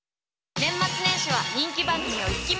年末年始は人気番組をイッキ見！